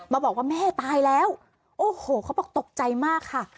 มาบอกว่าแม่ตายแล้วโอ้โหเขาบอกตกใจมากค่ะ